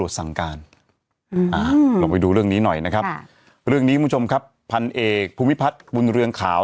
ลองไปดูเรื่องนี้หน่อยนะครับเรื่องนี้คุณผู้ชมครับพันเอกภูมิพัฒน์บุญเรืองขาว